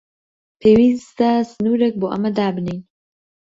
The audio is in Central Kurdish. پێویستە سنوورێک بۆ ئەمە دابنێین.